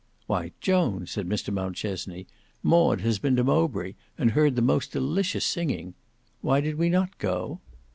"Why Joan," said Mr Mountchesney, "Maud has been to Mowbray, and heard the most delicious singing. Why did we not go?"